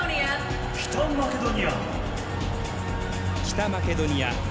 北マケドニア。